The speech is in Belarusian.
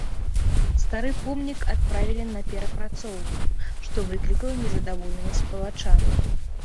Стары помнік адправілі на перапрацоўку, што выклікала незадаволенасць палачан.